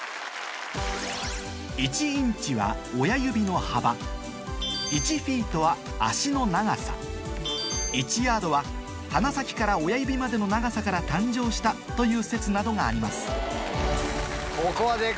１インチは親指の幅１フィートは足の長さ１ヤードは鼻先から親指までの長さから誕生したという説などがあります